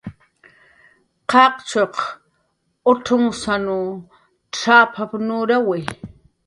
"Qaqchuq k""ullun ucx""unsaw cx""apap"" nurki"